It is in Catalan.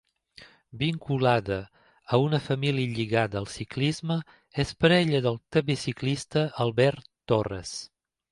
Vinculada a una família lligada al ciclisme, és parella del també ciclista Albert Torres.